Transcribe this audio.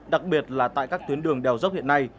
đặc biệt là tại các tuyến đường đèo dốc hiện nay